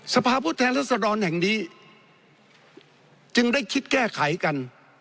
สภาพผู้แทนรัศดรแห่งนี้จึงได้คิดแก้ไขกัน